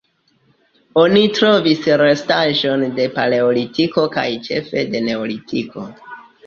Oni trovis restaĵojn de Paleolitiko kaj ĉefe de Neolitiko.